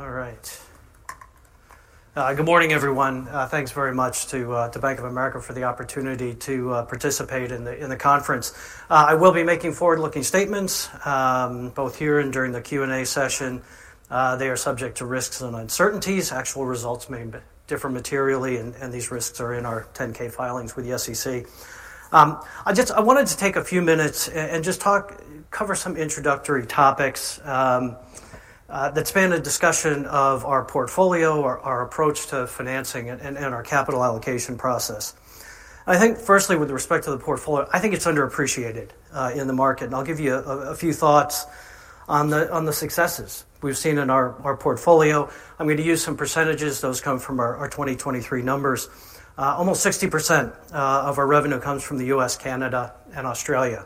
All right. Good morning, everyone. Thanks very much to Bank of America for the opportunity to participate in the conference. I will be making forward-looking statements both here and during the Q&A session. They are subject to risks and uncertainties. Actual results may differ materially, and these risks are in our 10-K filings with the SEC. I just wanted to take a few minutes and just talk, cover some introductory topics that span a discussion of our portfolio, our approach to financing and our capital allocation process. I think firstly, with respect to the portfolio, I think it's underappreciated in the market, and I'll give you a few thoughts on the successes we've seen in our portfolio. I'm going to use some percentages. Those come from our 2023 numbers. Almost 60% of our revenue comes from the U.S., Canada, and Australia.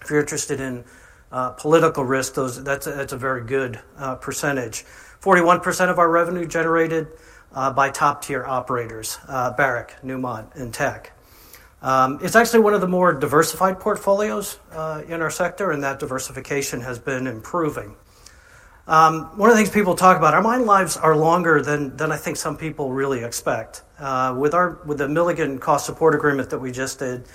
If you're interested in political risk, that's a very good percentage. 41% of our revenue generated by top-tier operators, Barrick, Newmont, and Teck. It's actually one of the more diversified portfolios in our sector, and that diversification has been improving. One of the things people talk about, our mine lives are longer than I think some people really expect. With the Milligan cost support agreement that we just did,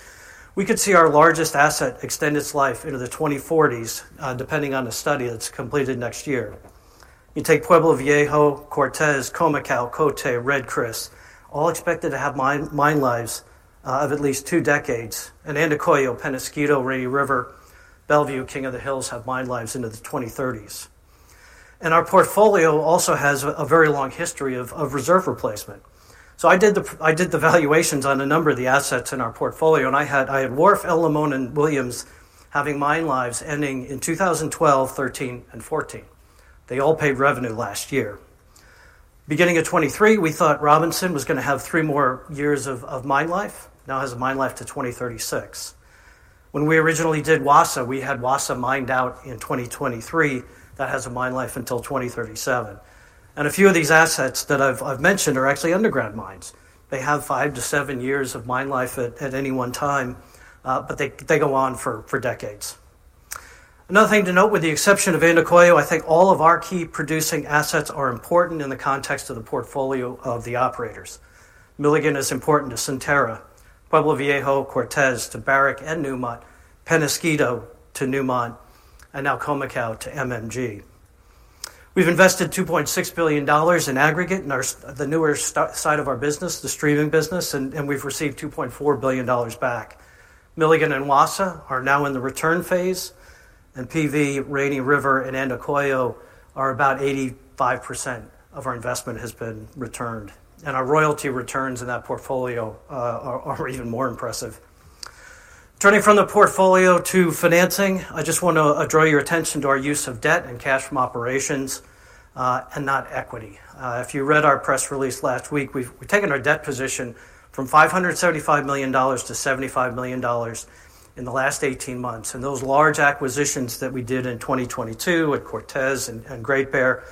we could see our largest asset extend its life into the 2040s, depending on the study that's completed next year. You take Pueblo Viejo, Cortez, Khoemacau, Côté, Red Chris, all expected to have mine lives of at least two decades, and Andacollo, Peñasquito, Rainy River, Bellevue, King of the Hills, have mine lives into the 2030s. Our portfolio also has a very long history of reserve replacement. So I did the valuations on a number of the assets in our portfolio, and I had Wharf, El Limón, and Williams having mine lives ending in 2012, 2013, and 2014. They all paid revenue last year. Beginning of 2023, we thought Robinson was gonna have 3 more years of mine life, now has a mine life to 2036. When we originally did Wassa, we had Wassa mined out in 2023. That has a mine life until 2037. A few of these assets that I've mentioned are actually underground mines. They have five-to-seven years of mine life at any one time, but they go on for decades. Another thing to note, with the exception of Andacollo, I think all of our key producing assets are important in the context of the portfolio of the operators. Milligan is important to Centerra, Pueblo Viejo, Cortez to Barrick and Newmont, Peñasquito to Newmont, and now Khoemacau to MMG. We've invested $2.6 billion in aggregate in our newer side of our business, the streaming business, and we've received $2.4 billion back. Milligan and Wassa are now in the return phase, and PV, Rainy River, and Andacollo are about 85% of our investment has been returned, and our royalty returns in that portfolio are even more impressive. Turning from the portfolio to financing, I just want to draw your attention to our use of debt and cash from operations and not equity. If you read our press release last week, we've taken our debt position from $575 million to $75 million in the last 18 months, and those large acquisitions that we did in 2022 with Cortez and Great Bear,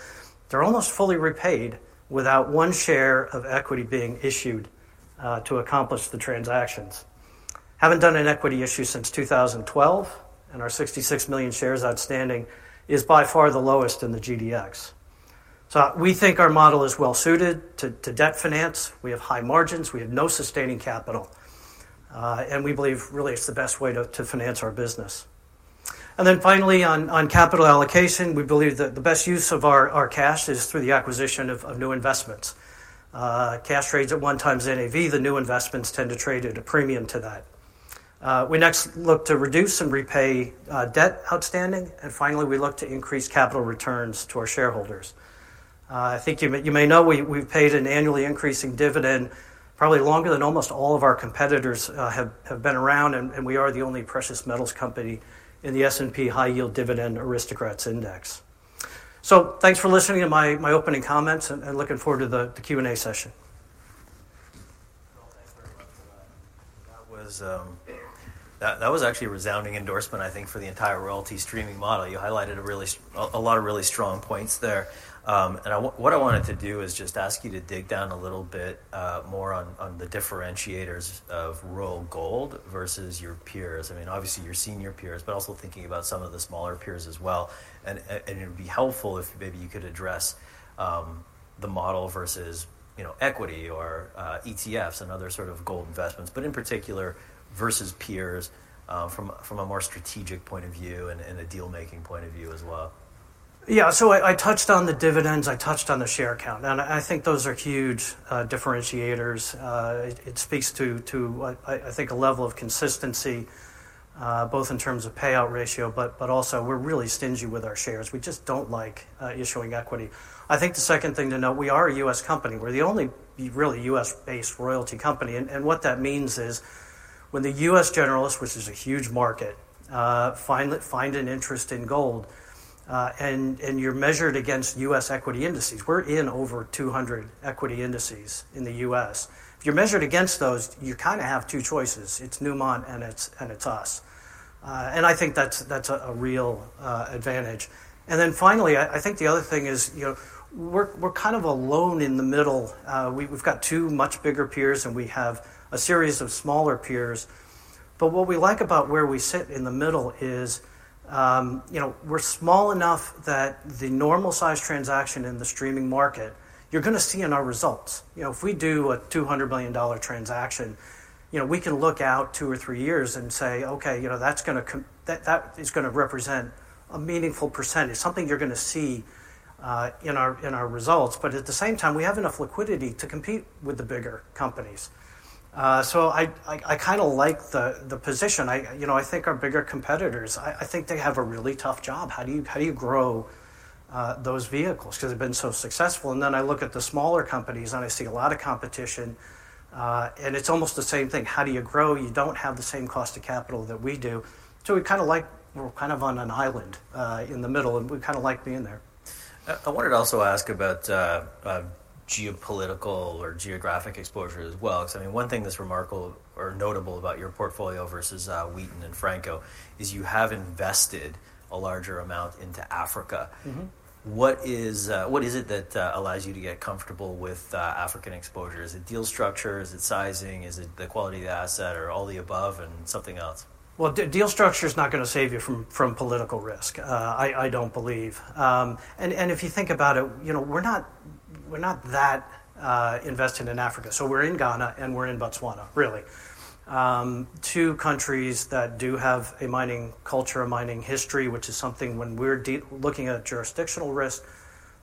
they're almost fully repaid without one share of equity being issued to accomplish the transactions. Haven't done an equity issue since 2012, and our 66 million shares outstanding is by far the lowest in the GDX. So we think our model is well suited to, to debt finance. We have high margins, we have no sustaining capital, and we believe really it's the best way to, to finance our business. And then finally, on, on capital allocation, we believe that the best use of our, our cash is through the acquisition of, of new investments. Cash trades at 1x NAV, the new investments tend to trade at a premium to that. We next look to reduce and repay debt outstanding, and finally, we look to increase capital returns to our shareholders. I think you may, you may know we, we've paid an annually increasing dividend probably longer than almost all of our competitors have, have been around, and, and we are the only precious metals company in the S&P High Yield Dividend Aristocrats Index. So, thanks for listening to my opening comments, and looking forward to the Q&A session. Well, thanks very much for that. That was actually a resounding endorsement, I think, for the entire royalty streaming model. You highlighted a lot of really strong points there. What I wanted to do is just ask you to dig down a little bit more on the differentiators of Royal Gold versus your peers. I mean, obviously, your senior peers, but also thinking about some of the smaller peers as well. And it would be helpful if maybe you could address the model versus, you know, equity or ETFs and other sort of gold investments, but in particular versus peers from a more strategic point of view and a deal-making point of view as well. Yeah. So I touched on the dividends, I touched on the share count, and I think those are huge differentiators. It speaks to a level of consistency, both in terms of payout ratio, but also we're really stingy with our shares. We just don't like issuing equity. I think the second thing to note, we are a U.S. company. We're the only really U.S.-based royalty company, and what that means is when the U.S. generalists, which is a huge market, find an interest in gold, and you're measured against U.S. equity indices, we're in over 200 equity indices in the U.S. If you're measured against those, you kinda have two choices: It's Newmont, and it's us. And I think that's a real advantage. Then finally, I think the other thing is, you know, we're kind of alone in the middle. We've got two much bigger peers, and we have a series of smaller peers, but what we like about where we sit in the middle is, you know, we're small enough that the normal size transaction in the streaming market, you're gonna see in our results. You know, if we do a $200 million transaction, you know, we can look out two or three years and say, "Okay, you know, that's gonna represent a meaningful percentage," something you're gonna see in our results. But at the same time, we have enough liquidity to compete with the bigger companies. So I kinda like the position. You know, I think our bigger competitors. I think they have a really tough job. How do you grow those vehicles? 'Cause they've been so successful. And then I look at the smaller companies, and I see a lot of competition, and it's almost the same thing. How do you grow? You don't have the same cost of capital that we do. So we kinda like, we're kind of on an island in the middle, and we kinda like being there. I wanted to also ask about geopolitical or geographic exposure as well. 'Cause I mean, one thing that's remarkable or notable about your portfolio versus Wheaton and Franco, is you have invested a larger amount into Africa. Mm-hmm. What is, what is it that allows you to get comfortable with African exposure? Is it deal structure, is it sizing, is it the quality of the asset, or all the above, and something else? Well, deal structure is not gonna save you from political risk, I don't believe. And if you think about it, you know, we're not that invested in Africa. So we're in Ghana, and we're in Botswana, really. Two countries that do have a mining culture, a mining history, which is something when we're looking at jurisdictional risk,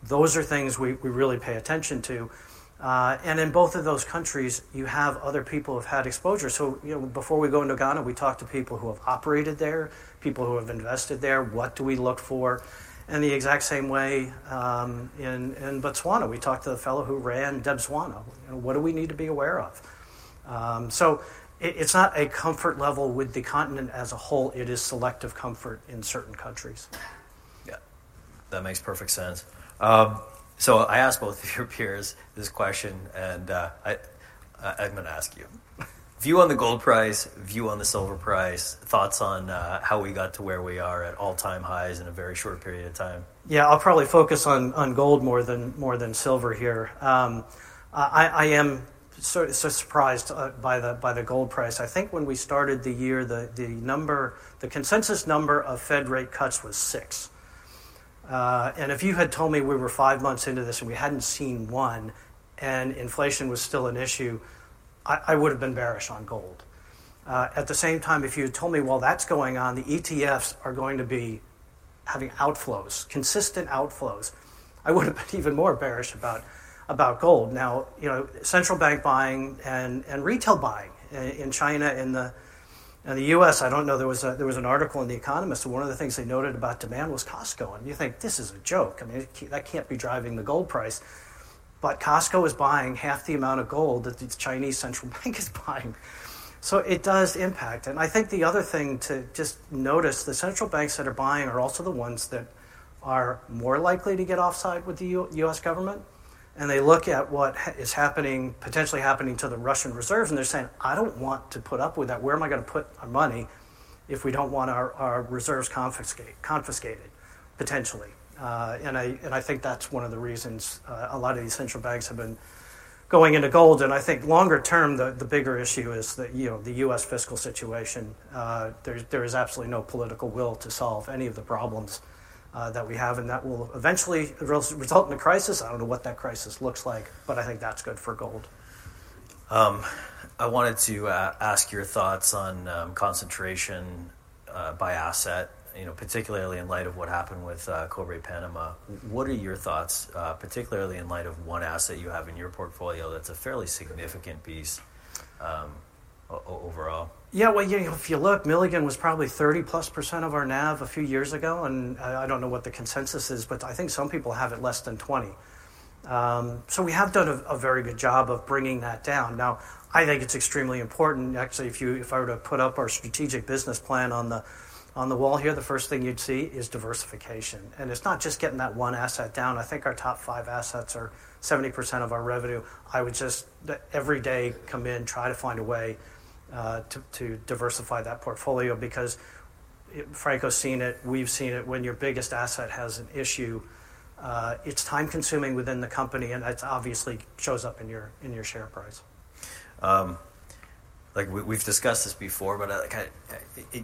those are things we really pay attention to. And in both of those countries, you have other people who've had exposure. So, you know, before we go into Ghana, we talked to people who have operated there, people who have invested there. What do we look for? And the exact same way in Botswana. We talked to the fellow who ran Debswana. You know, what do we need to be aware of? So, it's not a comfort level with the continent as a whole, it is selective comfort in certain countries. Yeah, that makes perfect sense. So I asked both of your peers this question, and I'm gonna ask you. View on the gold price, view on the silver price, thoughts on how we got to where we are at all-time highs in a very short period of time? Yeah, I'll probably focus on gold more than silver here. I am so surprised by the gold price. I think when we started the year, the consensus number of Fed rate cuts was 6. If you had told me we were 5 months into this, and we hadn't seen 1, and inflation was still an issue, I would've been bearish on gold. At the same time, if you had told me, while that's going on, the ETFs are going to be having outflows, consistent outflows, I would've been even more bearish about gold. Now, you know, central bank buying and retail buying in China and the US, I don't know, there was an article in The Economist, and one of the things they noted about demand was Costco. And you think, "This is a joke. I mean, that can't be driving the gold price." But Costco is buying half the amount of gold that the Chinese Central Bank is buying. So it does impact. And I think the other thing to just notice, the central banks that are buying are also the ones that are more likely to get offside with the U.S. government. And they look at what is happening, potentially happening to the Russian reserves, and they're saying, "I don't want to put up with that. Where am I gonna put our money if we don't want our reserves confiscated, potentially?" And I think that's one of the reasons a lot of these central banks have been going into gold. And I think longer term, the bigger issue is that, you know, the U.S. fiscal situation. There is absolutely no political will to solve any of the problems that we have, and that will eventually result in a crisis. I don't know what that crisis looks like, but I think that's good for gold. I wanted to ask your thoughts on concentration by asset, you know, particularly in light of what happened with Cobre Panama. What are your thoughts, particularly in light of one asset you have in your portfolio that's a fairly significant piece overall? Yeah, well, you know, if you look, Milligan was probably 30%+ of our NAV a few years ago, and I don't know what the consensus is, but I think some people have it less than 20%. So we have done a very good job of bringing that down. Now, I think it's extremely important. Actually, if you, if I were to put up our strategic business plan on the wall here, the first thing you'd see is diversification. And it's not just getting that one asset down. I think our top five assets are 70% of our revenue. I would just every day come in, try to find a way to diversify that portfolio, because Franco's seen it, we've seen it. When your biggest asset has an issue, it's time-consuming within the company, and it obviously shows up in your share price. Like we've discussed this before, but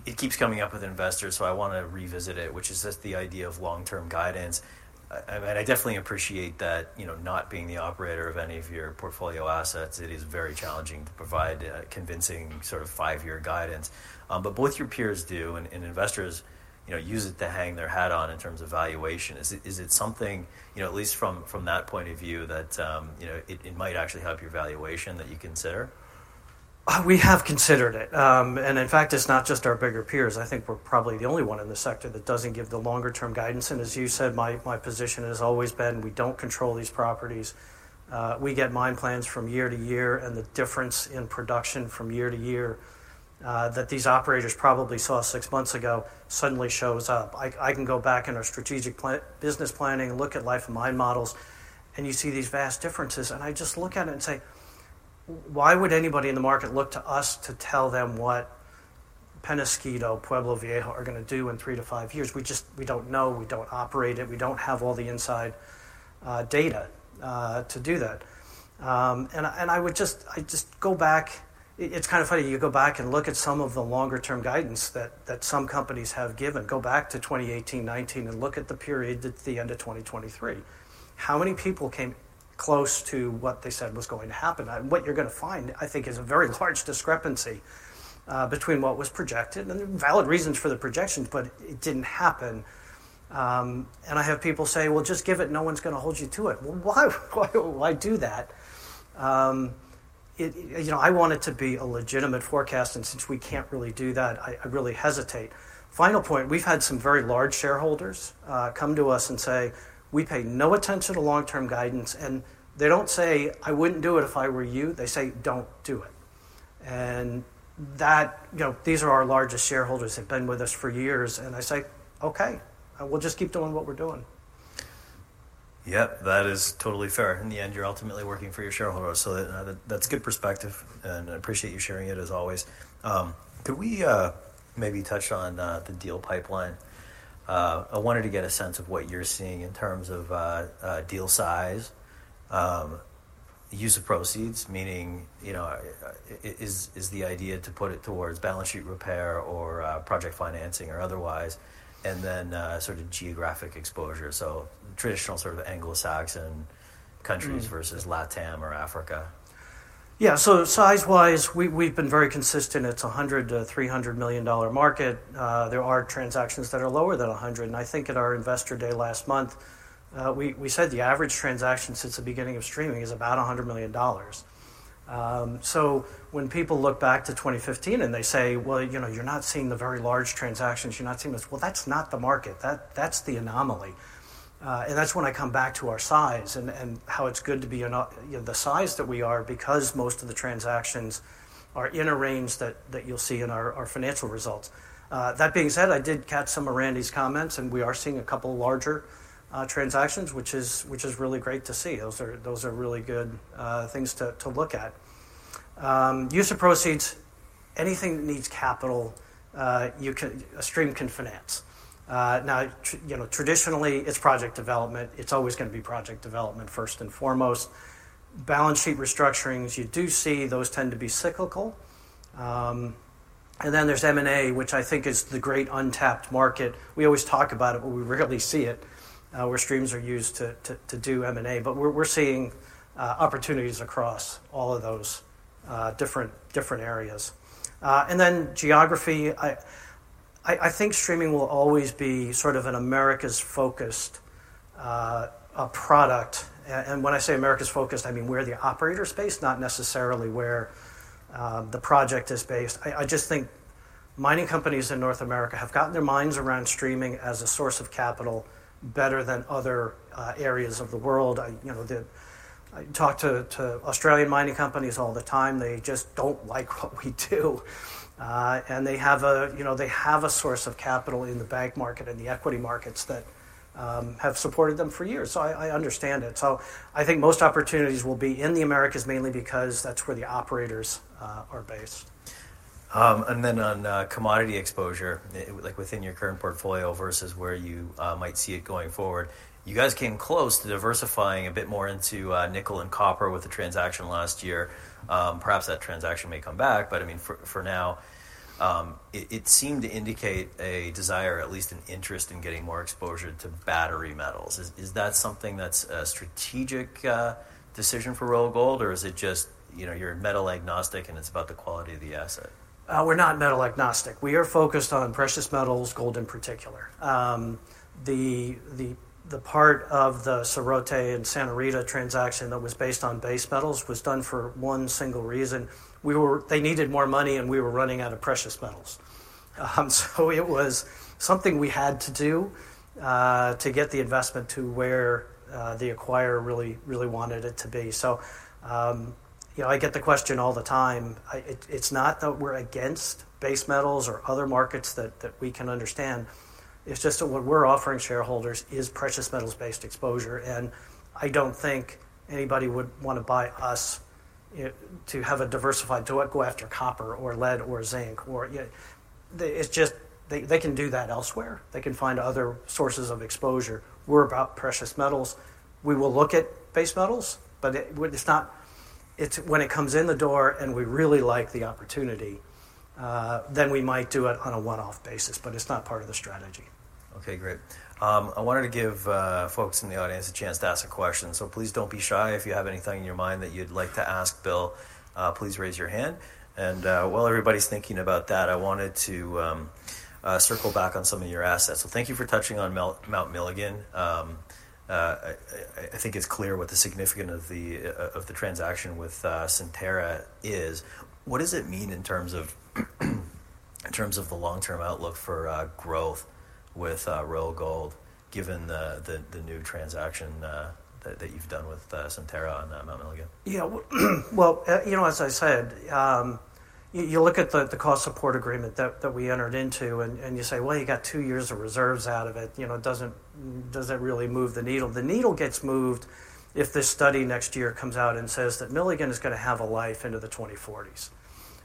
it keeps coming up with investors, so I wanna revisit it, which is just the idea of long-term guidance. And I definitely appreciate that, you know, not being the operator of any of your portfolio assets, it is very challenging to provide a convincing sort of five-year guidance. But both your peers do, and investors, you know, use it to hang their hat on in terms of valuation. Is it something, you know, at least from that point of view, that you know, it might actually help your valuation, that you consider? We have considered it. And in fact, it's not just our bigger peers. I think we're probably the only one in the sector that doesn't give the longer term guidance, and as you said, my, my position has always been, we don't control these properties. We get mine plans from year to year, and the difference in production from year to year, that these operators probably saw six months ago, suddenly shows up. I, I can go back in our strategic plan-business planning and look at life of mine models, and you see these vast differences. And I just look at it and say, "Why would anybody in the market look to us to tell them what...? Peñasquito, Pueblo Viejo are gonna do in three to five years. We just, we don't know, we don't operate it, we don't have all the inside, data, to do that. And I would just, I'd just go back... It's kind of funny, you go back and look at some of the longer term guidance that some companies have given. Go back to 2018, 2019, and look at the period at the end of 2023. How many people came close to what they said was going to happen? And what you're gonna find, I think, is a very large discrepancy between what was projected, and there are valid reasons for the projections, but it didn't happen. And I have people say, "Well, just give it, no one's gonna hold you to it." Well, why, why, why do that? You know, I want it to be a legitimate forecast, and since we can't really do that, I really hesitate. Final point, we've had some very large shareholders come to us and say, "We pay no attention to long-term guidance." And they don't say, "I wouldn't do it if I were you," they say, "Don't do it." And that—you know, these are our largest shareholders, they've been with us for years, and I say, "Okay, we'll just keep doing what we're doing. Yep, that is totally fair. In the end, you're ultimately working for your shareholders, so that, that's good perspective, and I appreciate you sharing it as always. Could we maybe touch on the deal pipeline? I wanted to get a sense of what you're seeing in terms of deal size, use of proceeds, meaning, you know, is the idea to put it towards balance sheet repair or project financing or otherwise, and then sort of geographic exposure. So traditional sort of Anglo-Saxon countries- Mm-hmm. -versus LATAM or Africa. Yeah. So size-wise, we've been very consistent. It's a $100-$300 million market. There are transactions that are lower than $100, and I think at our investor day last month, we said the average transaction since the beginning of streaming is about $100 million. So when people look back to 2015 and they say, "Well, you know, you're not seeing the very large transactions, you're not seeing this..." Well, that's not the market, that's the anomaly. And that's when I come back to our size and how it's good to be ano- you know, the size that we are, because most of the transactions are in a range that you'll see in our financial results. That being said, I did catch some of Randy's comments, and we are seeing a couple larger transactions, which is really great to see. Those are really good things to look at. Use of proceeds, anything that needs capital, a stream can finance. Now, you know, traditionally, it's project development. It's always gonna be project development first and foremost. Balance sheet restructurings, you do see, those tend to be cyclical. And then there's M&A, which I think is the great untapped market. We always talk about it, but we rarely see it, where streams are used to do M&A. But we're seeing opportunities across all of those different areas. And then geography. I think streaming will always be sort of an Americas-focused product. When I say Americas-focused, I mean where the operator is based, not necessarily where the project is based. I just think mining companies in North America have gotten their minds around streaming as a source of capital better than other areas of the world. You know, I talk to Australian mining companies all the time, they just don't like what we do. And they have, you know, a source of capital in the bank market and the equity markets that have supported them for years, so I understand it. I think most opportunities will be in the Americas, mainly because that's where the operators are based. And then on commodity exposure, like within your current portfolio versus where you might see it going forward. You guys came close to diversifying a bit more into nickel and copper with the transaction last year. Perhaps that transaction may come back, but I mean, for now, it seemed to indicate a desire, at least an interest, in getting more exposure to battery metals. Is that something that's a strategic decision for Royal Gold, or is it just, you know, you're metal agnostic, and it's about the quality of the asset? We're not metal agnostic. We are focused on precious metals, gold in particular. The part of the Serrote and Santa Rita transaction that was based on base metals was done for one single reason: they needed more money, and we were running out of precious metals. So it was something we had to do to get the investment to where the acquirer really, really wanted it to be. You know, I get the question all the time. It's not that we're against base metals or other markets that we can understand. It's just that what we're offering shareholders is precious metals-based exposure, and I don't think anybody would wanna buy us to have a diversified... To what? Go after copper or lead or zinc, yeah. They can do that elsewhere. They can find other sources of exposure. We're about precious metals. We will look at base metals, but it's not. It's when it comes in the door, and we really like the opportunity, then we might do it on a one-off basis, but it's not part of the strategy. Okay, great. I wanted to give folks in the audience a chance to ask a question, so please don't be shy. If you have anything in your mind that you'd like to ask Bill, please raise your hand. And while everybody's thinking about that, I wanted to circle back on some of your assets. So thank you for touching on Mount Milligan. I think it's clear what the significance of the transaction with Centerra is. What does it mean in terms of the long-term outlook for growth with Royal Gold, given the new transaction that you've done with Centerra on Mount Milligan? Yeah. Well, you know, as I said, you, you look at the, the Cost Support Agreement that, that we entered into, and, and you say, "Well, you got 2 years of reserves out of it. You know, it doesn't, doesn't really move the needle." The needle gets moved if this study next year comes out and says that Milligan is gonna have a life into the 2040s.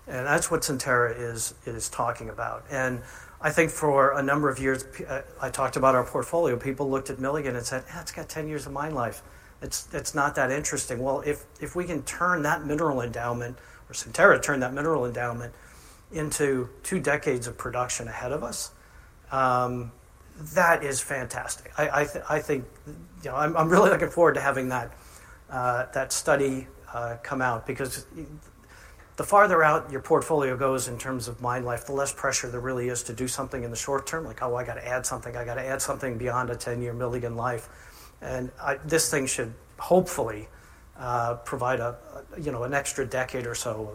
And that's what Centerra is, is talking about. And I think for a number of years, I talked about our portfolio, people looked at Milligan and said, "Eh, it's got 10 years of mine life. It's, it's not that interesting." Well, if, if we can turn that mineral endowment, or Centerra turned that mineral endowment into 2 decades of production ahead of us, that is fantastic. I think, you know, I'm really looking forward to having that study come out because the farther out your portfolio goes in terms of mine life, the less pressure there really is to do something in the short term, like, "Oh, I gotta add something. I gotta add something beyond a 10-year Milligan life." And this thing should hopefully provide, you know, an extra decade or so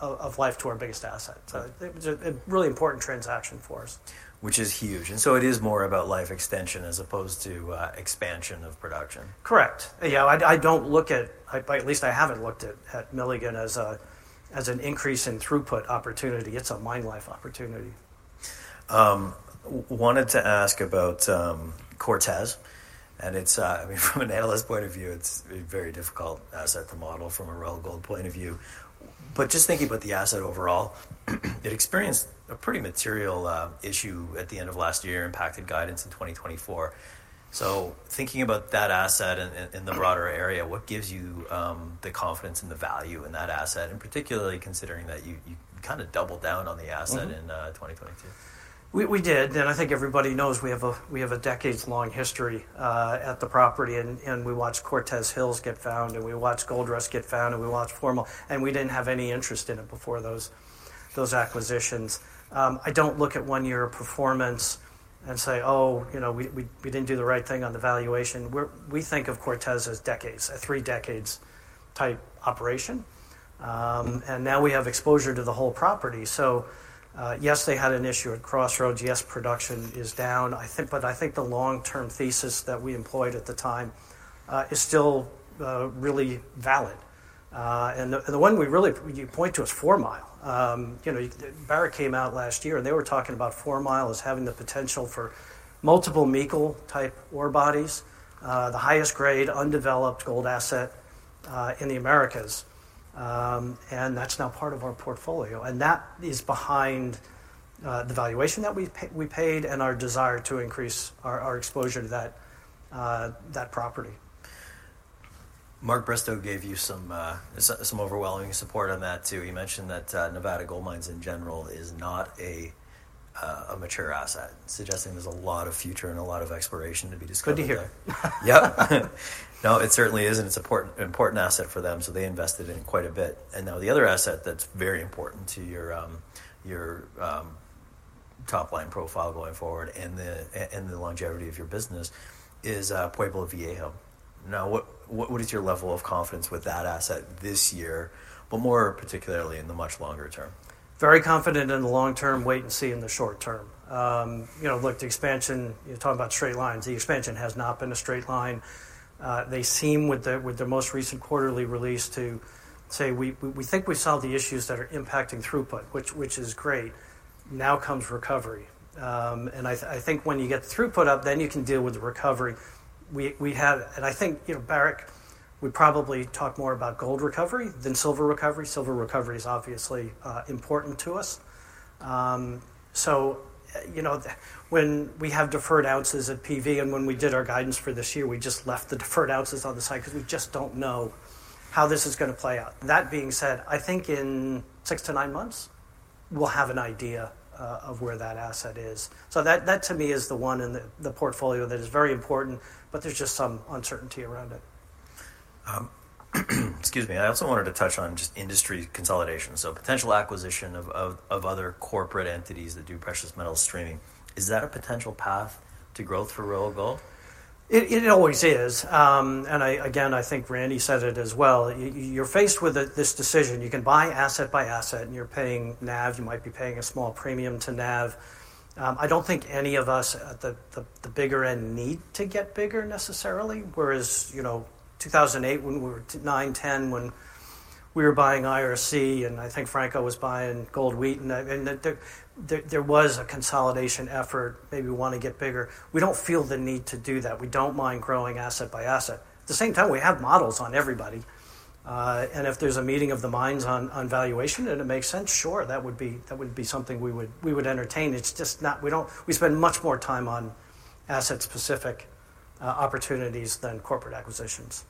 of life to our biggest asset. So, it's a really important transaction for us. Which is huge. And so it is more about life extension as opposed to expansion of production? Correct. Yeah, I don't look at... I at least haven't looked at Milligan as an increase in throughput opportunity. It's a mine life opportunity. Wanted to ask about Cortez. And it's, I mean, from an analyst point of view, it's a very difficult asset to model from a Royal Gold point of view. But just thinking about the asset overall, it experienced a pretty material issue at the end of last year, impacted guidance in 2024. So thinking about that asset in the broader area, what gives you the confidence and the value in that asset, and particularly considering that you kinda doubled down on the asset- Mm-hmm. -in, 2022? We did, and I think everybody knows we have a decades-long history at the property, and we watched Cortez Hills get found, and we watched Goldrush get found, and we watched Fourmile, and we didn't have any interest in it before those acquisitions. I don't look at one year of performance and say, "Oh, you know, we didn't do the right thing on the valuation." We're, we think of Cortez as decades, a three decades type operation. And now we have exposure to the whole property. So, yes, they had an issue at Crossroads. Yes, production is down, I think, but I think the long-term thesis that we employed at the time is still really valid. And the one we really you point to is Four Mile. You know, Barrick came out last year, and they were talking about Four Mile as having the potential for multiple Meikle-type ore bodies, the highest grade, undeveloped gold asset, in the Americas. And that's now part of our portfolio, and that is behind, the valuation that we paid and our desire to increase our exposure to that property. Mark Bristow gave you some overwhelming support on that, too. He mentioned that Nevada Gold Mines in general is not a mature asset, suggesting there's a lot of future and a lot of exploration to be discovered. Good to hear. Yep. No, it certainly is, and it's important, important asset for them, so they invested in it quite a bit. And now the other asset that's very important to your top-line profile going forward and the longevity of your business is Pueblo Viejo. Now, what is your level of confidence with that asset this year, but more particularly in the much longer term? Very confident in the long term, wait and see in the short term. You know, look, the expansion, you talk about straight lines, the expansion has not been a straight line. They seem with the most recent quarterly release to say, "We think we solved the issues that are impacting throughput," which is great. Now comes recovery. I think when you get the throughput up, then you can deal with the recovery. We have... I think, you know, Barrick would probably talk more about gold recovery than silver recovery. Silver recovery is obviously important to us. So, you know, when we have deferred ounces at PV and when we did our guidance for this year, we just left the deferred ounces on the side because we just don't know how this is gonna play out. That being said, I think in six to nine months, we'll have an idea of where that asset is. So that to me is the one in the portfolio that is very important, but there's just some uncertainty around it. Excuse me. I also wanted to touch on just industry consolidation, so potential acquisition of other corporate entities that do precious metal streaming. Is that a potential path to growth for Royal Gold? It always is. And I, again, I think Randy said it as well. You're faced with this decision. You can buy asset by asset, and you're paying NAV, you might be paying a small premium to NAV. I don't think any of us at the bigger end need to get bigger necessarily, whereas, you know, 2008, when we were buying IRC, and I think Franco was buying Gold Wheaton, and that there was a consolidation effort, maybe want to get bigger. We don't feel the need to do that. We don't mind growing asset by asset. At the same time, we have models on everybody, and if there's a meeting of the minds on, on valuation, and it makes sense, sure, that would be, that would be something we would, we would entertain. It's just not-- we don't... We spend much more time on asset-specific, opportunities than corporate acquisitions.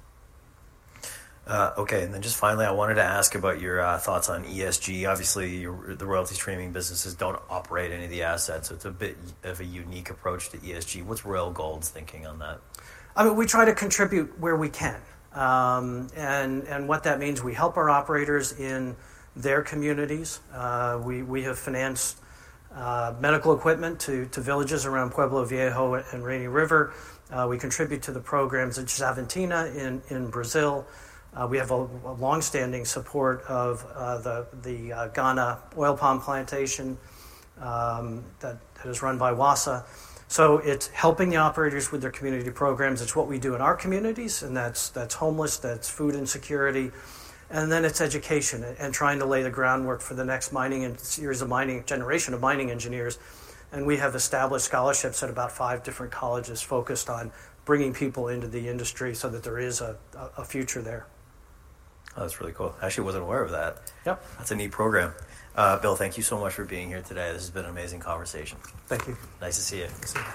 Okay, and then just finally, I wanted to ask about your thoughts on ESG. Obviously, the royalty streaming businesses don't operate any of the assets, so it's a bit of a unique approach to ESG. What's Royal Gold's thinking on that? I mean, we try to contribute where we can. What that means, we help our operators in their communities. We have financed medical equipment to villages around Pueblo Viejo and Rainy River. We contribute to the programs in Nova Xavantina, in Brazil. We have a long-standing support of the Ghana oil palm plantation that is run by Wassa. So it's helping the operators with their community programs. It's what we do in our communities, and that's homeless, that's food insecurity, and then it's education, and trying to lay the groundwork for the next mining engineers, a mining generation of mining engineers. And we have established scholarships at about five different colleges focused on bringing people into the industry so that there is a future there. That's really cool. I actually wasn't aware of that. Yep. That's a neat program. Bill, thank you so much for being here today. This has been an amazing conversation. Thank you. Nice to see you. You too.